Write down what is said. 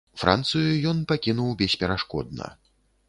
Францыю ён пакінуў бесперашкодна.